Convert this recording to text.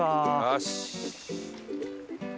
よし！